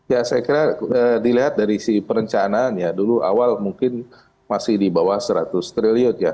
ya saya kira dilihat dari si perencanaan ya dulu awal mungkin masih di bawah seratus triliun ya